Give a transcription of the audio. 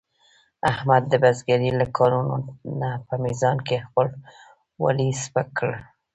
احمد د بزرګرۍ له کارونو نه په میزان کې خپل ولي سپک کړل.